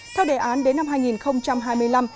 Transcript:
theo đề án đến năm hai nghìn hai mươi năm